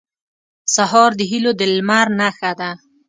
سهار د هيلو د لمر نښه ده.